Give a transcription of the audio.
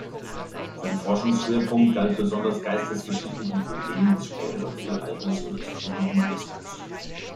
Sein Forschungsschwerpunkt galt besonders geistesgeschichtlichen Problemen des späteren Mittelalters und des frühen Humanismus.